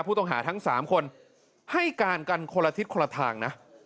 ผู้ต้องหาทั้ง๓คนให้การกันคนละทิศคนละทางนะ